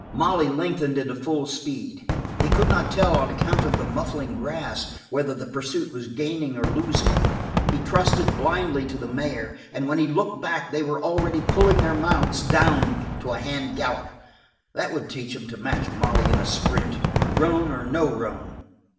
Molly lengthened into full speed. He could not tell on account of the muffling grass whether the pursuit was gaining or losing. He trusted blindly to the mare and when he looked back they were already pulling their mounts down to a hand gallop. That would teach them to match Molly in a sprint, roan or no roan!